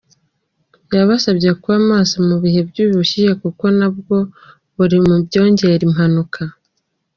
Yabasabye kuba maso mu bihe by’ubushyuhe kuko nabwo buri mu byongera imanuka.